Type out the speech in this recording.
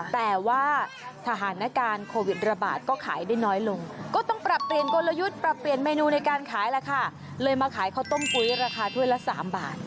แต่ว่าสถานการณ์โควิดระบาดก็ขายได้น้อยลงก็ต้องปรับเปลี่ยนกลยุทธ์ปรับเปลี่ยนเมนูในการขายราคาเลยมาขายข้าวต้มปุ๊ยราคาถ้วยละ๓บาท